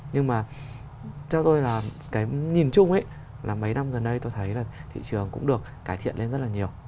nhưng mà cho tôi là cái nhìn chung là mấy năm giờ nay tôi thấy là thị trường cũng được cải thiện lên rất là nhiều